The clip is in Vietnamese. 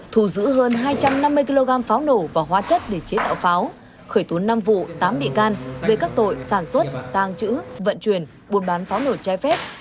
thù giữ hơn hai trăm năm mươi kg pháo nổ và hóa chất để chế tạo pháo khởi tốn năm vụ tám bị can về các tội sản xuất tàng trữ vận chuyển buôn bán pháo nổ chai phép